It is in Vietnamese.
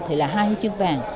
thì là hai huy chương vàng